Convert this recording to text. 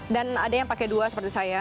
dan ada yang pakai dua seperti saya